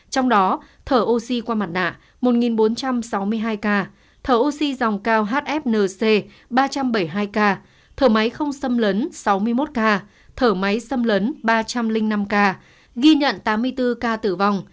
trong đó thở oxy qua mặt nạ một bốn trăm sáu mươi hai ca thở oxy dòng cao hfnc ba trăm bảy mươi hai ca thở máy không xâm lấn sáu mươi một ca thở máy xâm lấn ba trăm linh năm ca ghi nhận tám mươi bốn ca tử vong